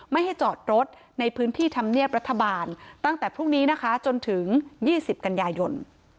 ไม่ให้จอดรถในพื้นที่ธรรมเนียบรัฐบาลตั้งแต่พรุ่งนี้นะคะจนถึง๒๐กันยายน